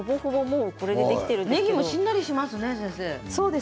ねぎもしんなりしますね先生。